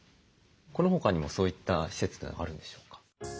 この他にもそういった施設というのはあるんでしょうか？